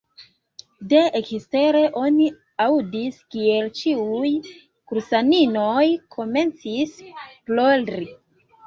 De ekstere oni aŭdis kiel ĉiuj kursaninoj komencis plori.